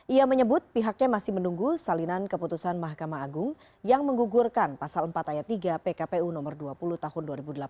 ia menyebut pihaknya masih menunggu salinan keputusan mahkamah agung yang menggugurkan pasal empat ayat tiga pkpu nomor dua puluh tahun dua ribu delapan belas